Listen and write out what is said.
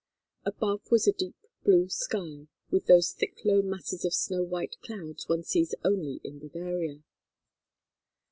Above was a deep blue sky with those thick low masses of snow white clouds one sees only in Bavaria.